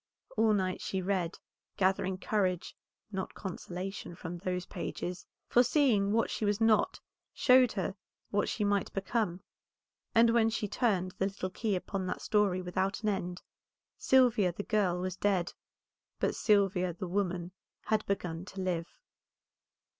All night she read, gathering courage, not consolation, from those pages, for seeing what she was not showed her what she might become; and when she turned the little key upon that story without an end, Sylvia the girl was dead, but Sylvia the woman had begun to live.